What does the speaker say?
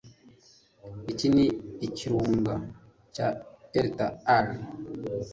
Iki ni ikirunga cya Erta Ale